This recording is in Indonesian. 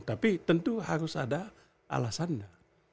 tapi tentu harus ada alasannya